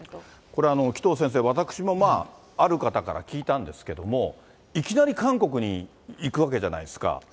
これ、紀藤先生、私もある方から聞いたんですけども、いきなり韓国に行くわけじゃないですか。